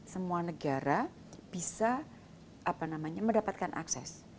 semua negara bisa mendapatkan akses